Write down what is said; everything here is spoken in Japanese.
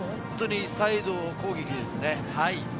サイド攻撃ですね。